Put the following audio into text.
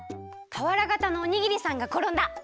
たわらがたのおにぎりさんがころんだ。